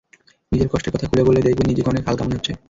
নিজের কষ্টের কথা খুলে বললে দেখবেন নিজেকে অনেক হালকা মনে হচ্ছে।